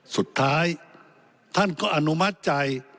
สุดท้ายท่านก็อนุมัติใจ